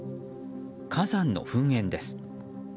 火山の噴煙です。